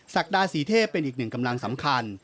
ศักดาศรีเทพเป็นอีกหนึ่งกำลังสำคัญ